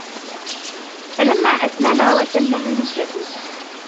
فلما أسلما وتله للجبين